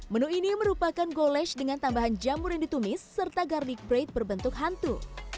menu ini merupakan goles dengan tambahan jamur yang ditumis serta garnic bread berbentuk hantu